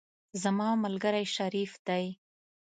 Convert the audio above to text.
زما ملګری شریف دی.